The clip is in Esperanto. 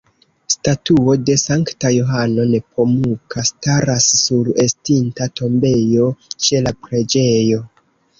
Statuo de Sankta Johano Nepomuka staras sur estinta tombejo ĉe la preĝejo.